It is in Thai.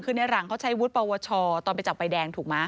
คือในหลังเขาใช้วุฒิปวชตอนไปจับใบแดงถูกไหม